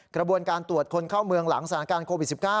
กระบวนการตรวจคนเข้าเมืองหลังสถานการณ์โควิด๑๙